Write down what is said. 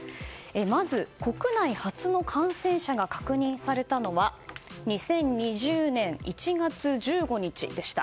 まず、国内初の感染者が確認されたのは２０２０年１月１５日でした。